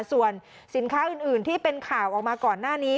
ส่วนสินค้าอื่นที่เป็นข่าวออกมาก่อนหน้านี้